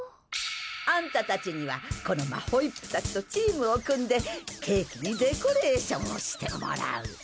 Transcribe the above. アンタたちにはこのマホイップたちとチームを組んでケーキにデコレーションをしてもらう。